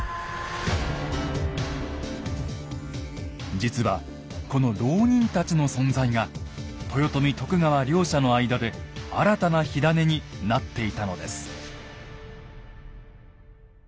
実はこの牢人たちの存在が豊臣・徳川両者の間で新たな火種になっていたのです。